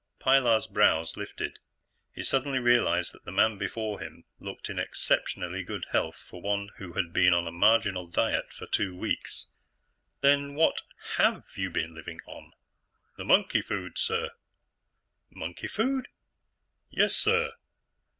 Pilar's brows lifted. He suddenly realized that the man before him looked in exceptionally good health for one who had been on a marginal diet for two weeks. "Then what have you been living on?" "The monkey food, sir." "Monkey food?" "Yessir.